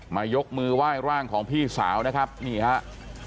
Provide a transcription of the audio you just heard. ยกมือไหว้ร่างของพี่สาวนะครับนี่ครับ